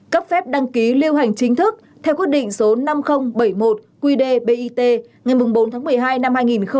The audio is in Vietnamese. cấp phép đăng ký lưu hành chính thức theo quyết định số năm nghìn bảy mươi một qd bit ngày bốn tháng một mươi hai năm hai nghìn một mươi bảy